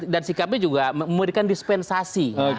dan sikapnya juga memberikan dispensasi